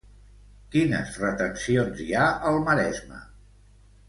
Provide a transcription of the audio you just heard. Quines retencions hi ha al Maresme?